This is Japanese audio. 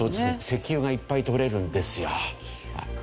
石油がいっぱいとれるんですよ。